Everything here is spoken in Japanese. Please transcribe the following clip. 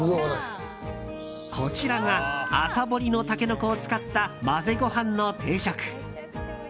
こちらが朝掘りのタケノコを使った混ぜご飯の定食。